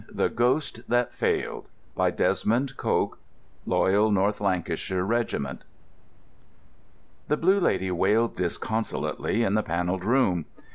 The Ghost that Failed By Desmond Coke Loyal North Lancashire Regiment The Blue Lady wailed disconsolately in the panelled room.